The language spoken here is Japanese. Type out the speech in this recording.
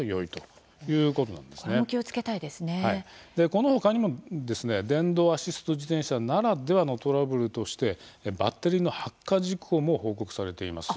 このほかにも電動アシスト自転車ならではのトラブルとしてバッテリーの発火事故も報告されています。